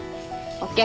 ＯＫ。